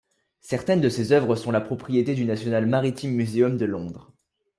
Certaines de ses œuvres sont la propriété du National Maritime Muséum de Londres.